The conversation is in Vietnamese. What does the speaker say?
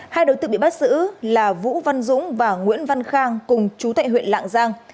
hai đối tượng bị bắt giữ là vũ văn dũng và nguyễn văn khang cùng chú tại huyện lạng giang